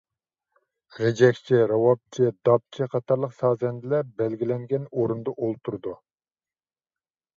غېجەكچى، راۋابچى، داپچى قاتارلىق سازەندىلەر بەلگىلەنگەن ئورۇندا ئولتۇرىدۇ.